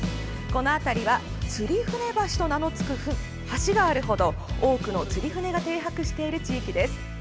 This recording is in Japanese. この辺りは釣船橋と名のつく橋がある程多くの釣り船が停泊している地域です。